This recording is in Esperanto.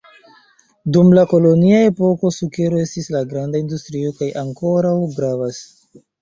Dum la kolonia epoko, sukero estis la granda industrio kaj ankoraŭ gravas.